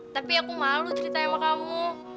tapi aku malu cerita sama kamu